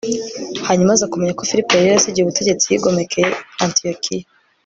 hanyuma aza kumenya ko filipo yari yarasigiye ubutegetsi yigomekeye i antiyokiya